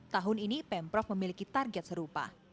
tahun ini pemprov memiliki target serupa